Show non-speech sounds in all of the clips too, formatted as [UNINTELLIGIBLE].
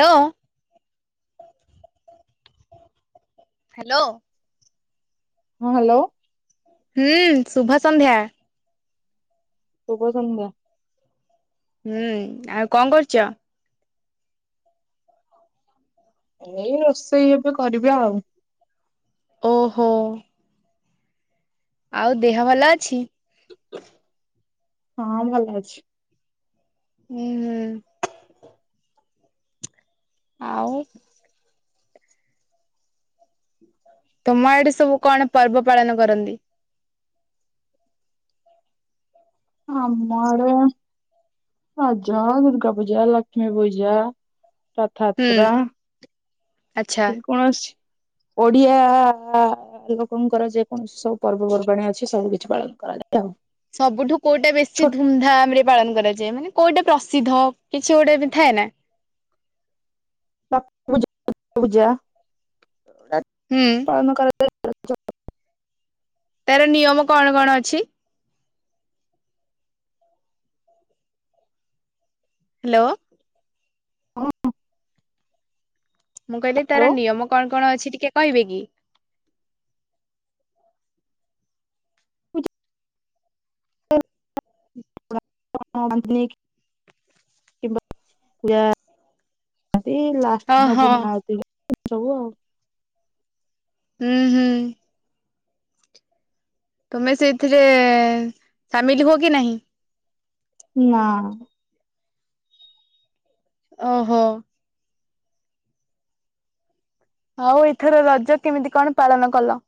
Hello hello. ହଁ hello. ହୁଁ ଶୁଭ ସନ୍ଧ୍ୟା। ଶୁଭ ସନ୍ଧ୍ୟା। ହୁଁ ଆଉ କଁ କରୁଚ? ଏଇ ରୋଷେଇ ଏବେ କରିବି ଆଉ। ଓହୋ। ଆଉ ଦେହ ଭଲ ଅଛି? ହଁ ଭଲ ଅଛି। ଉଁ ହୁଁ। ଆଉ। ତମ ଆଡେ ସବୁ କଣ ପର୍ବ ପାଳନ କରନ୍ତି? ଆମ ଆଡେ ଅଜ ଦୁର୍ଗା ପୂଜା, ଲକ୍ଷ୍ମୀ ପୂଜା, ହୁଁ ରଥଆତ୍ରା। ଆଚ୍ଛା। କୌଣସି ଓଡ଼ିଆ ଲୋକଙ୍କର ଯେକୌଣସି ସବୁ ପର୍ବପର୍ବାଣି ଅଛି ସବୁ କିଛି ପାଳନ କରାଯାଏ ଆଉ। ସବୁଠୁ କୋଉଟା ବେଶୀ ଛୋଟ ଧୁମଧାମରେ ପାଳନ କରାଯାଏ ମାନେ କୋଉଟେ ପ୍ରସିଦ୍ଧ କିଛି ଗୋଟେ ବି ଥାଏ ନା? [UNINTELLIGIBLE] ହୁଁ। [UNINTELLIGIBLE] ତାର ନିୟମ କଣ କଣ ଅଛି? ହାଲୋ। ମୁଁ କହିଲି ତାର ନିୟମ କଣ କଣ ଅଛି ଟିକେ କହିବେ କି? [UNINTELLIGIBLE] ଲାଷ୍ଟ ପୂର୍ଣ ହ ସବୁ ହଁ ହଁ ଆଉ [UNINTELLIGIBLE] ହୁଁ ହୁଁ। ତମେ ସେଇଥିରେ ସାମିଲ ହୁଅ କି ନାହିଁ। ନା। ଓହୋ। ଆଉ ଏଥର ରଜ କେମିତି କଣ ପାଳନ କଲ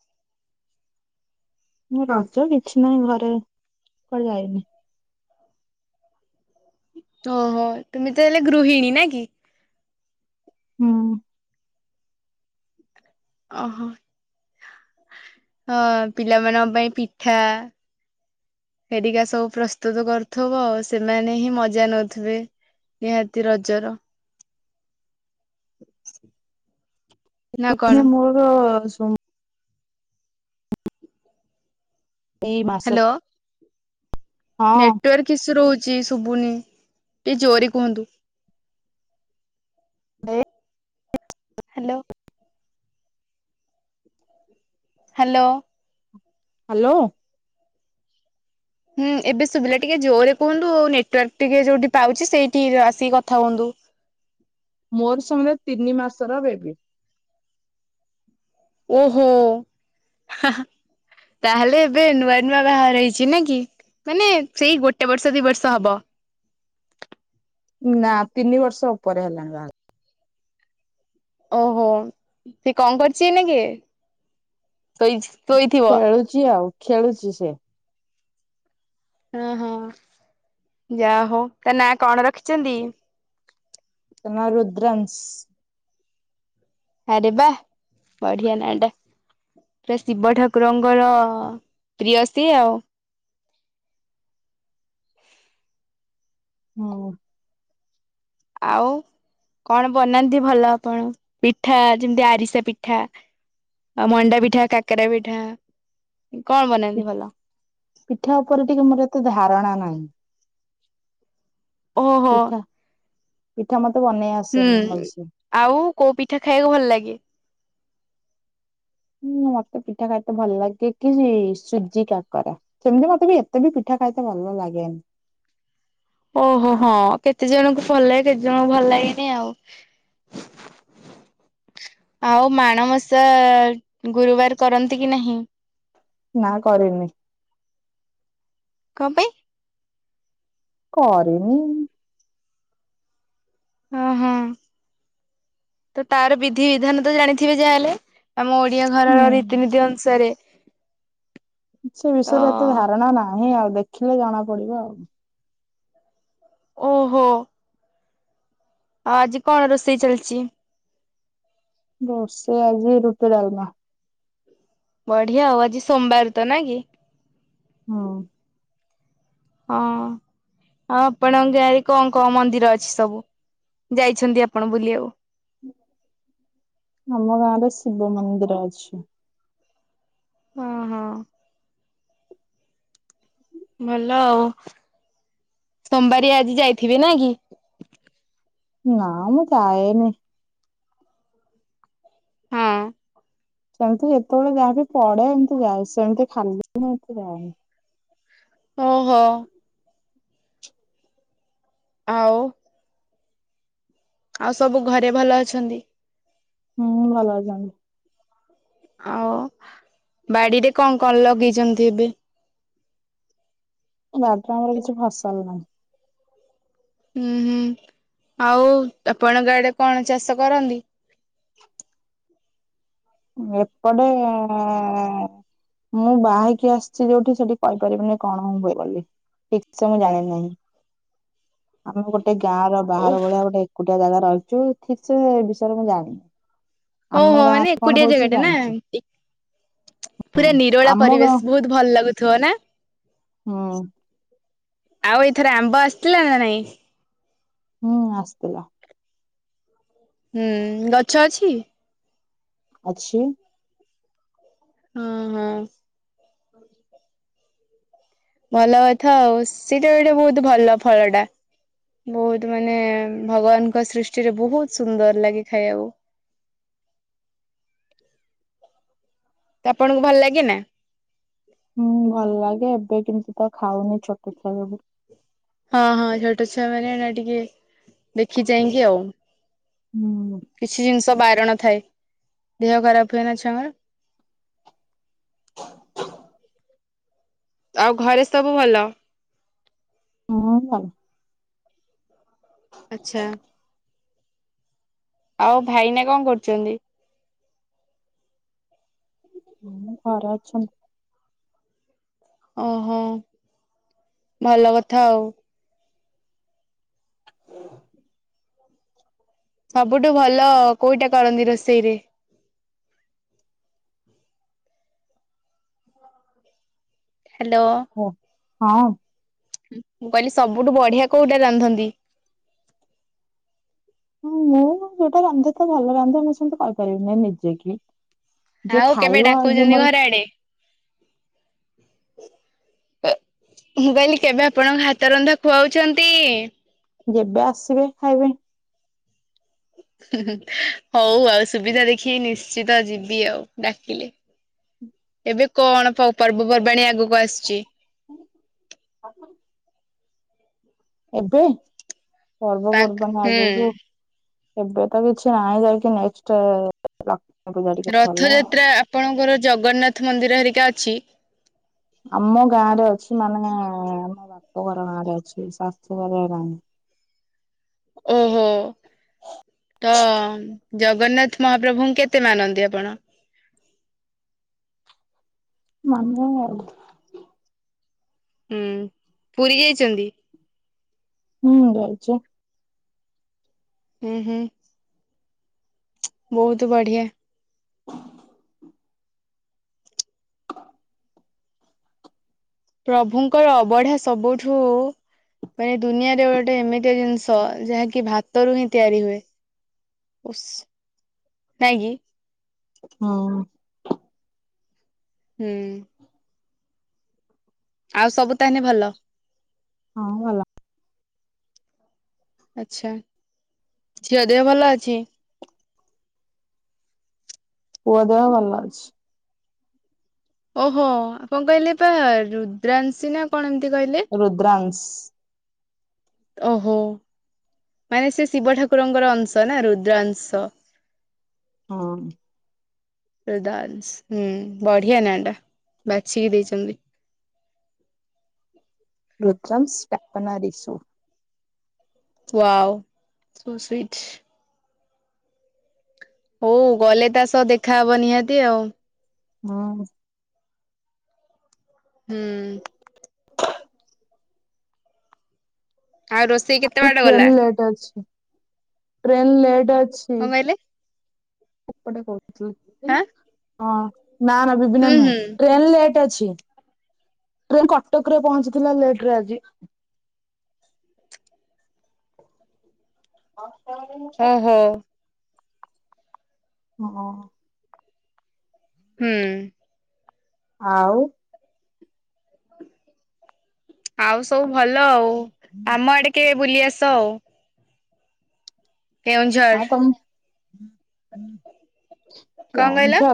ମୁଁ ରଜ କିଛି ନାହିଁ ଘରେ କୁଆଡେ ଯାଇନି। ତହ ତୁମି ତ ହେଲେ ଗୃହିଣୀ ନ କି? ହୁଁ। ଓହୋ ହଁ ପିଲାମାନଙ୍କ ପାଇଁ ପିଠା ହେରିକା ସବୁ ପ୍ରସ୍ତୁତ କରୁଥିବ ସେମାନେ ହିଁ ମଜା ନଉଥିବେ। ନିହାତି ରଜର [INAUDIBLE] କଣ? ଏପଟରେ ମୋର ସୁମ୍ ଏଇ ମା ହଁ। ନେଟୱାର୍କ ଇସ୍ସୁ ରହୁଛି ଶୁଭୁନି ଟିକେ ଜୋରି କୁହନ୍ତୁ। ହ [UNINTELLIGIBLE] ହାଲୋ। ହାଲୋ। ହାଲୋ। ହୁଁ ଏବେ ସୁବିଲା ଟିକେ ଜୋରରେ କୁହନ୍ତୁ ଆଉ ନେଟୱାର୍କ ଟିକେ ଯୋଉଠି ପାଉଛି ସେଇଠି ଆସିକି କଥା ହୁଅନ୍ତୁ। ମୋର ସମୁଦାୟ ତିନି ମାସ ର ବେବି। ଓହୋ। ହଁ ହଁ ତାହେଲେ ଏବେ ନୂଆ ନୂଆ ବାହାର ହେଇଛି ନ କି ମାନେ ସେଇ ଗୋଟେ ଗୋଟେ ବର୍ଷ ଦୁଇ ବର୍ଷ ହବ। ନା ତିନି ବର୍ଷ ଉପରେ ହେଲାଣି ବାହାର। ଓହୋ ସେ କଣ କରଛି ଏଇନାକେ? ସୋଇଛି। ଖେଳୁଛି ଆଉ ଖେଳୁଛି ସେ। ଓ ହଁ ଯା ହଉ ତା ନା କଣ ରଖିଛନ୍ତି? ତା ନାଁ ରୁଦ୍ରଂଶ୍। ଆରେବାହଃ ବଢିଆ ନା ଟା। ପୁରା ଶିବ ଠାକୁରଙ୍କର ପ୍ରିୟ ସିଏ ଆଉ। ହୁଁ। ଆଉ କଣ ବନାନ୍ତି ଭଲ ଆପଣ ପିଠା ଯେମିତି ଆରିସା ପିଠା ଆଉ ମଣ୍ଡା ପିଠା କାକେରା ପିଠା କଣ ବନାନ୍ତି ଭଲ? ପିଠା ଉପରେ ଟିକେ ମୋର ଏତେ ଧାରଣା ନାହିଁ। ଓହୋ ପିଠା ପିଠା ମତେ ବନେଇ ବା ହୁଁ ଆଉ କୋଉ ପିଠା ଖାଇବାକୁ ଭଲ ଲାଗେ? ହୁଁ ମତେ ପିଠା ଖାଇତେ ଭଲ ଲାଗେ କି ସୁଜି କାକରା। ସେମିତି ମତେ ବି ଏତେ ବି ପିଠା ଖାଇତେ ଭଲ ଲାଗେନି। ଓହୋ ହୋ ହଁ କେତେ ଜଣଙ୍କୁ ଭଲ ଲାଗେ କେତେ ଜଣଙ୍କୁ ଭଲ ଲାଗନି ଆଉ। ଆଉ ମାଣ ବସା ଗୁରୁବାର କରନ୍ତି କି ନାହିଁ? ନା କରେନି। କଣ ପାଇଁ? କରିନି ହଁ ହଁ, ତ ତାର ବିଧି ବିିଧାନ ତ ଜାଣିଥିବେ ଯାହାହେଲେ? ଆମ ଓଡିଆ ଘରର ହୁଁ। ରୀତିନୀତି ଅନୁସାରେ। ସେ ତ ବିଷୟରେ ଏତେ ଧାରଣା ନାହିଁ ଆଉ ଦେଖିଲେ ଜଣା ପଡିବ ଆଉ। ଓହୋ। ଆଉ ଆଜି କଣ ରୋଷେଇ ଚାଲିଛି? ରୋଷେଇ ଆଜି ରୁଟି ଡାଲମା। ବଢିଆ ହଉ ଆଜି ସୋମବାର ତ ନା କି? ହଁ। ହଁ। ହଁ ଆପଣଙ୍କ ଗାଁରେ କଣ କଣ ମନ୍ଦିର ଅଛି ସବୁ, ଯାଇଛନ୍ତି ଆପଣ ବୁଲିବାକୁ? ଆମ ଗାଁରେ ଶିବ ମନ୍ଦିର ଅଛି। ହଁ ହଁ। ଭଲ ଆଉ, ସୋମବାରିଆ ଆଜି ଯାଇଥିବେ ନା କି? ନା ମୁଁ ଯାଏନି। ହଁ। ସେମତି ଯେତେବେଳେ ଯାହାବି ପଡେ ଏମିତି ଯାଏ ସେମିତି ଖାଲି ଏତି ମୁଁ ଯାଏନି। ଓ ହୋ। ଆଉ ଆଉ ସବୁ ଘରେ ଭଲ ଅଛନ୍ତି? ହୁଁ ଭଲ ଅଛନ୍ତି। ଆଉ ବାଡିରେ କଣ କଣ ଲଗେଇଛନ୍ତି ଏବେ? ବାଡିରେ ଆମର କିଛି ଫସଲ ନାହିଁ। ହୁଁ ହୁଁ, ଆଉ ଆପଣ ଆଡେ କଣ ଚାଷ କରନ୍ତି? ଏପଟେ ଉଁ-ଉଁ-ଉଁ ମୁଁ ବାହା ହେଇକି ଆସିଛି ଯୋଉଠି ସେଠି କହିପାରିବିନି କଣ ହୁଏ ବୋଲି। ଠିକ ସେ ମୁଁ ଜାଣିନ ନାହିଁ ଆମେ ପ ଗୋଟେ ଗାଁ ର ବାହାର ଓଃ ଭଳିଆ ଗୋଟେ ଏକୁଟିଆ ଜାଗା ରହିଛୁ ଠିକ ସେ ବିଷୟରେ ମୁଁ ଜାଣିନି। ଆମ ଓହୋ ଗାଁ ମାନେ ରେ ଏକୁଟିଆ ଜାଗା ଟା ନା, ଏ ପୁରା ନିରୋଳା ଆମ ଗାଁ ପରିବେଶ ବହୁତ ଭଲ ଲାଗୁଥିବ ନା? ହୁଁ ଆଉ ଏଥର ଆମ୍ବ ଆସିଥିଲା ନା ନାଇଁ? ହୁଁ ଆସଥିଲା। ହୁଁ ଗଛ ଅଛି। ଅଛି। ହଁ। ଭଲ କଥା ଆଉ ସେଇଟା ଏଇଟେ ବହୁତ ଭଲ ଫଳ ଟା? ବହୁତ ମାନେ ଭଗବାନଙ୍କ ସୃଷ୍ଟିରେ ବହୁତ ସୁନ୍ଦର ଲାଗେ ଖାଇବାକୁ। ତ ଆପଣଙ୍କୁ ଭଲ ଲାଗେ ନା? ହୁଁ ଭଲ ଲାଗେ ଏବେ କେମତି ତ ଖାଉନି ଛୋଟ ଛୁଆ ଯୋଗୁ। ହଁ ହଁ ଛୋଟ ଛୁଆ ମାନେ ଏ ଟିକେ ଦେଖି ଯାଇକି ଆଉ ହୁଁ। କିଛି ଜିନିଷ ବାରଣ ଥାଏ ଦେହ ଖରାପ ହୁଏ ନା ଛୁଆଙ୍କର? ଆଉ ଘରେ ସବୁ ଭଲ? ମୁଁ ଭଲ୍ ଆଚ୍ଛା। ଆଉ ଭାଇନା କଣ କରୁଛନ୍ତି? ଉଁ ଘର ଅଛନ୍ତି। ଓହୋ ଭଲ କଥା ଆଉ। ସବୁଠୁ ଭଲ କୋଉଟା କରନ୍ତି ରୋଷେଇ ରେ? ହ୍ୟାଲୋ। ହ ହଁ। ମୁଁ କହିଲି ସବୁଠୁ ବଢିଆ କୋଉଟା ରାନ୍ଧନ୍ତି? ହୁଁ ମୁଁ ଯୋଉଟା ରାନ୍ଧେ ତ ଭଲ ରାନ୍ଧେ ମୁଁ ସେମିତି କହିପାରିବିନି ନିଜେ କି ଯିଏ ଆଉ କେବେ ଖାଇବ ଯିଏ ଡାକୁଛନ୍ତି ମୋର ଘର ଆଡେ? ମୁଁ କହିଲି କେବେ ଆପଣଙ୍କ ହାତ ରନ୍ଧା ଖୁଆଉଛନ୍ତି? ଯେବେ ଆସିବେ ଖାଇବେ। ହଉ ଆଉ ସୁବିଧା ଦେଖିକି ନିଶ୍ଚିତ ଯିବି ଆଉ ଡାକିଲେ। ଏବେ କଣ ପ ପର୍ବପର୍ବାଣି ଆଗକୁ ଆସୁଛି? ହଁ ଆ ଏବେ ପାକ୍ ପର୍ବପର୍ବାଣି ହୁଁ। ଆଗକୁ ଏବେ ତ କିଛି ନାହିଁ ଯାଇକି ନେଷ୍ଟ ଲକ୍ଷ୍ମୀ ପୂଜା ଟିକେ ଭଲ ଆ ରଥଯାତ୍ରା ଆପଣଙ୍କର ଜଗନ୍ନାଥ ମନ୍ଦିର ହେରିକା ଅଛି? ଆମ ଗାଁ ରେ ଅଛି ମାନେ ଆମ ବାପ ଘର ଗାଁରେ ଅଛି ଶାଶୁ ଘରେ ନାହିଁ। ଓହୋ। ତ ଜଗନ୍ନାଥ ମହାପ୍ରଭୁଙ୍କୁ କେତେ ମାନନ୍ତି ଆପଣ? ମାନେ ଆଉ ହୁଁ ପୁରୀ ଯାଇଛନ୍ତି? ହୁଁ ଯାଇଚି। ହୁଁ ହୁଁ। ବହୁତ ବଢିଆ। ପ୍ରଭୁଙ୍କର ଅବଢା ସବୁଠୁ ମାନେ ଦୁନିଆରେ ଗୋଟେ ଏମିତିଆ ଜିନିଷ ତ ଯାହାକି ଭାତରୁ ହିଁ ତିଆରି ହୁଏ ଉସ ନାଇଁ କିି? ହଁ। ହୁଁ। ଆଉ ସବୁ ତାହେଲେ ଭଲ? ହଁ ଭଲ। ଆଛା ଝିଅ ଦେହ ଭଲ ଅଛି? ପୁଅ ଦେହ ଭଲ ଅଛି। ଓହୋ କଣ କହିଲେ ବା ରୁଦ୍ରାଂଶୀ ନା କଣ ଏମିତି କହିଲେ? ରୁଦ୍ରାଂଶ। ଓହୋ। ମାନେ ସେ ଶିବ ଠାକୁରଙ୍କର ଅଂଶ ନା ରୁଦ୍ରାଂଶ। ହଁ। ରୁଦ୍ରାଂଶ ହୁଁ ବଢିଆ ନାଁ ଟା ବାଛିକି ଦେଇଛନ୍ତି। ରୁଦ୍ରାଂଶ ଡାକ ନାଁ ରିିସୁ। Wow so sweet. ହଉ ଗଲେ ତା ସହ ଦେଖାହବ ନିହାତି ଆଉ। ହଁ। ହୁଁ। ଆଉ ରୋସ୍ ଆଜି ଟ୍ରେନ୍ ଲେଟ୍ ଅଛି ଟ୍ରେନ୍ ଲେଟ୍ ଅଛି। କଣ କହିଲେ ଏପଟେ କହୁଥିଲି ହାଁ ହଁ ନା ନା ବିବିନା ହୁଁ ନୁହେଁ। ହୁଁ ଟ୍ରେନ୍ ଲେଟ୍ ଅଛି ଟ୍ରେନ୍ କଟକରେ ପହଞ୍ଚିଥିଲା ଲେଟ୍‌ରେ ଆଜି। [UNINTELLIGIBLE] ଓହୋ। ହଁ। ହୁଁ। ଆଉ ଆଉ ସବୁ ଭଲ ଆଉ ଆମ ଆଡେ କେବେ ବୁଲି ଆସ ଆଉ। କେଉଁଝର ଆଉ ତମ୍ କଣ କହିଲ [UNINTELLIGIBLE]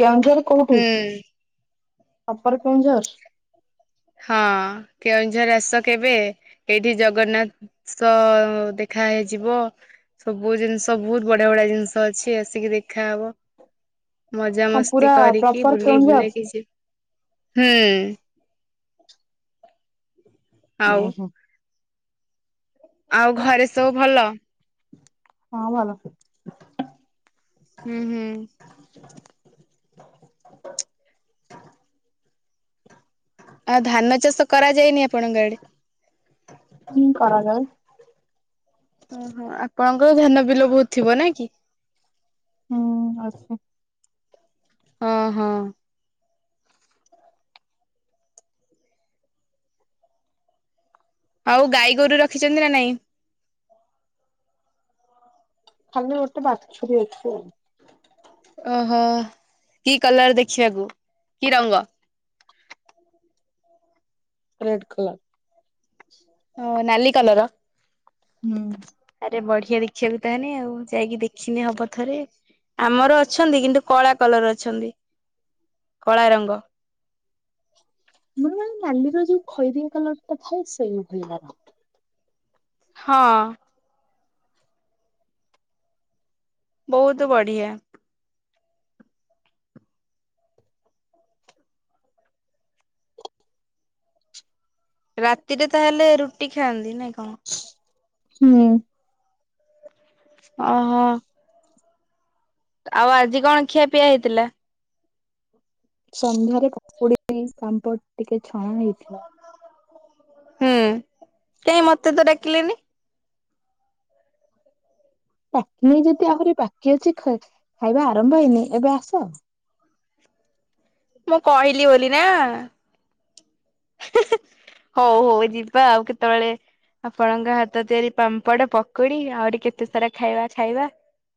କେଉଁଝର କୋଉଠି ହୁଁ। ପ୍ରୋପର କେଉଁଝର? ହଁ କେଉଁଝର ଆସ କେବେ ଏଇଠି ଜଗନ୍ନା ସ ଦେଖା ହେଇଯିବ। ସବୁ ଜିନିଷ ବହୁତ ବଢିଆ ବଢିଆ ଜିନିଷ ଅଛି ଆସିକି ଦେଖାହବ। ମଜା କଣ ମସ୍ତି ପୁରା କରିକି ପ୍ରପର ବୁଲି କେଉଁଝର ବୁଲା କି ସେ ହୁଁ। ଆଉ ଓହୋ। ଆଉ ଘରେ ସବୁ ଭଲ? ହଁ ଭଲସେ। ହୁଁ ହୁଁ। ଆଉ ଧାନ ଚାଷ କରାଯାଇନି ଆପଣଙ୍କ ଆଡେ? ହୁଁ କରାଯାଏ। ଓହୋ ଆପଣଙ୍କର ଧାନ ବିଲ ବହୁତ ଥିବ ନାଁ କି? ହୁଁ ଅଛି। ହଁ ହଁ। ଆଉ ଗାଈ ଗୋରୁ ରଖିଛନ୍ତି ନା ନାଇଁ? ଖାଲି ଗୋଟେ ବାଛୁରୀ ଅଛି ଆଉ। ଓହୋ କି କଲର ଦେଖିବାକୁ କି ରଙ୍ଗ? Red colour. ଓ ନାଲି କଲର। ହୁଁ। ଆରେ ବଢିଆ ଦେଖିବାକୁ ତାହନେ ଆଉ ଯାଇକି ଦେଖିନେ ହବ ଥରେ। ଆମର ଅଛନ୍ତି କିନ୍ତୁ କଳା କଲର ଅଛନ୍ତି କଳା ରଙ୍ଗ। ମୋର ମାନେ ନାଲିର ଯୋଉ ଖଇରିଆ କଲରଟା ଥାଏ ସେଇ ଭଳିଆ। ହଁ। ବହୁତ ବଢିଆ। ରାତିରେ ତାହେଲେ ରୁଟି ଖାଆନ୍ତି ନାଇଁ କଣ? ହୁଁ। ଅହ। ଆଉ ଆଜି କଣ ଖିଆ ପିଆ ହେଇଥିଲା? [UNINTELLIGIBLE] ସନ୍ଧ୍ୟାରେ ପକୁଡି ପାମ୍ପଡ ଟିକେ ଛଣା ହେଇଥିଲା। ହୁଁ କାହିଁ ମତେ ତ ଡାକିଲେନି। ମୁଁ ଯଦି ଆହୁରି ବାକି ଅଛି ଖାଇବା ଆରମ୍ଭ ହେଇନି ଏବେ ଆସ। ମୁଁ କହିଲି ବୋଲି ନା ହେଁ ହେଁ ହଉ ହଉ ଯିବା ଆଉ କେତେବେଳେ। ଆପଣଙ୍କ ହାତ ତିଆରି ପାମ୍ପଡ ପକୁଡି ଆହୁରି କେତେ ସାରା ଖାଇବା ଖାଇବା।